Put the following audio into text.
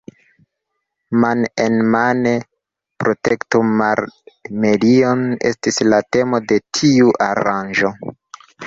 Man-en-mane protektu mar-medion estis la temo de tiu aranĝo.